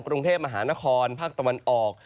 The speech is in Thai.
กรุงเทพมหานครภาคตะวันออก